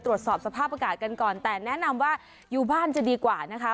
ตรวจสอบสภาพอากาศกันก่อนแต่แนะนำว่าอยู่บ้านจะดีกว่านะคะ